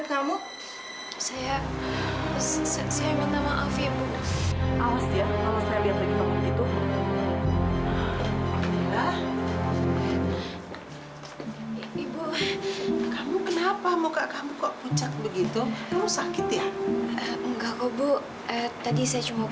sampai jumpa di video selanjutnya